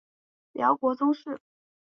辽国宗室。